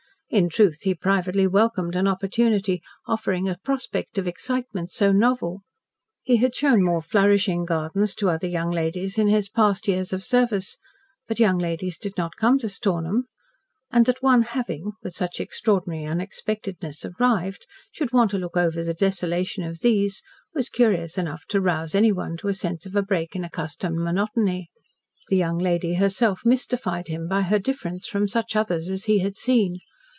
In truth, he privately welcomed an opportunity offering a prospect of excitement so novel. He had shown more flourishing gardens to other young ladies in his past years of service, but young ladies did not come to Stornham, and that one having, with such extraordinary unexpectedness arrived, should want to look over the desolation of these, was curious enough to rouse anyone to a sense of a break in accustomed monotony. The young lady herself mystified him by her difference from such others as he had seen.